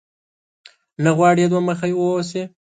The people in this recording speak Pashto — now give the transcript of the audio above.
نه غواړې دوه مخی واوسې؟